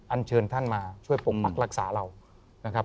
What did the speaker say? อันเชิญท่านมาช่วยปกปักรักษาเรานะครับ